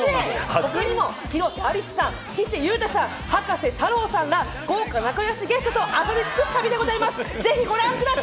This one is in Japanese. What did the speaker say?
他にも広瀬アリスさん、岸優太さん、葉加瀬太郎さんら豪華仲良しゲストと遊び尽くす旅でございます。